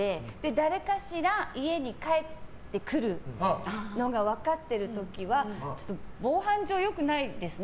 誰かしら家に帰ってくるのが分かっている時は防犯上よくないですね。